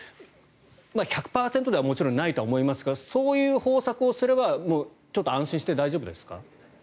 １００％ではもちろんないと思いますがそういう方策をすればちょっと安心して大丈夫ですか？